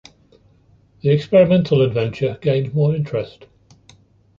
The experimental adventure gained more interest.